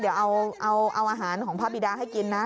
เดี๋ยวเอาอาหารของพระบิดาให้กินนะ